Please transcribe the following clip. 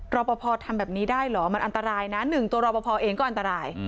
รอปภทำแบบนี้ได้เหรอมันอันตรายนะหนึ่งตัวรอปภเองก็อันตราย